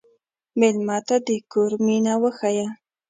مېلمه ته د کور مینه وښیه.